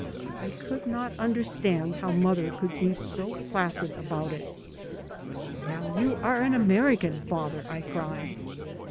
I could not understand how mother could be so placid about it. " Now you are an Amer ican, father," I cried.